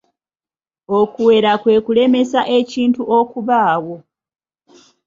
Okuwera kwe kulemesa ekintu okubaawo.